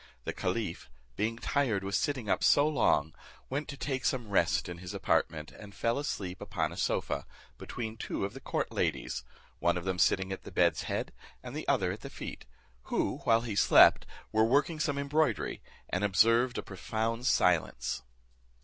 The caliph, being tired with sitting up so long, went to take some rest in his apartment, and fell asleep upon a sofa, between two of the court ladies, one of them sitting at the bed's head, and the other at the feet, who, whilst he slept, were working some embroidery, and observed a profound silence.